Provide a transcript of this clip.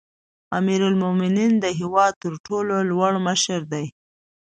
امیرالمؤمنین د هیواد تر ټولو لوړ مشر دی